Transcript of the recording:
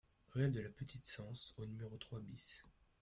Ruelle de la Petite Cense au numéro trois BIS